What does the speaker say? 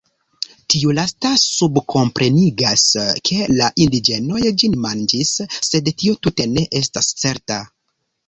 Tiu lasta subkomprenigas, ke la indiĝenoj ĝin manĝis, sed tio tute ne estas certa.